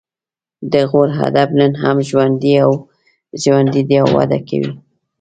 د غور ادب نن هم ژوندی دی او وده کوي